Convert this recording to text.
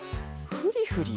フリフリ！